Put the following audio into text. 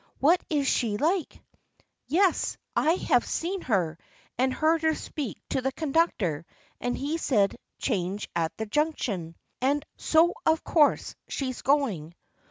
" What is she like ?"" Yes, I've seen her, and heard her speak to the conductor, and he said ' change at the Junction/ so of course she's going.